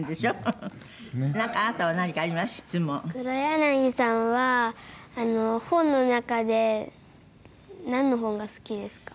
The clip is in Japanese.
黒柳さんは本の中でなんの本が好きですか？